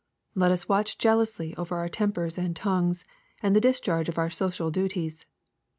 Let us watch jealously over our tempers and tongues, and the discharge of our social duties.